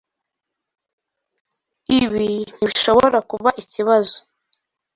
Ibi ntibishobora kuba ikibazo.